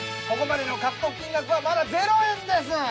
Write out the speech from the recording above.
ここまでの獲得金額はまだ０円です。